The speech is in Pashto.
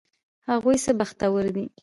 هغوی څه بختور دي!